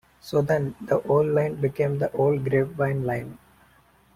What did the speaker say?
So then, the old line became the Old Grapevine Line.